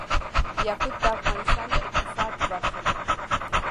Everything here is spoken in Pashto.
یاقوت د افغانستان د اقتصاد برخه ده.